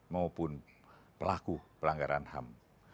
maupun pelaku pelanggaran ham